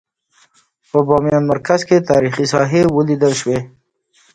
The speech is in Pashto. په بامیان مرکز کې تاریخي ساحې ولیدل شوې.